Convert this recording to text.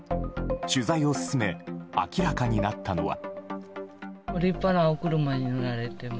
取材を進め明らかになったのは。